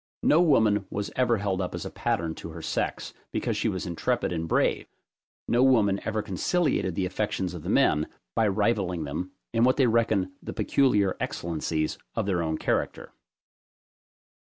No woman was ever held up as a pattern to her sex, because she was intrepid and brave; no woman ever conciliated the affections of the men, by rivalling them in what they reckon the peculiar excellencies of their own character.